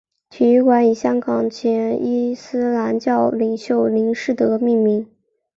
体育馆以香港前伊斯兰教领袖林士德命名。